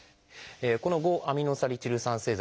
この５−アミノサリチル酸製剤。